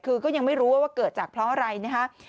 คือก็ยังไม่รู้ว่าเกิดจากเพราะอะไรนะคะ